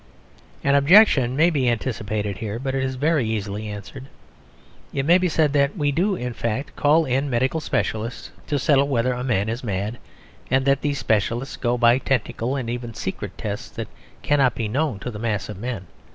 An objection may be anticipated here, but it is very easily answered. It may be said that we do, in fact, call in medical specialists to settle whether a man is mad; and that these specialists go by technical and even secret tests that cannot be known to the mass of men.